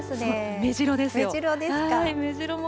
メジロですか。